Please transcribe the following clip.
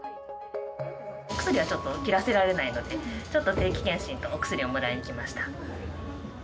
薬はちょっと切らせられないので、ちょっと定期健診と、お薬をもらいに来ました。